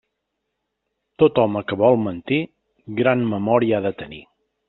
Tot home que vol mentir, gran memòria ha de tenir.